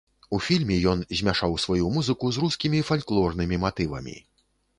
У фільме ён змяшаў сваю музыку з рускімі фальклорнымі матывамі.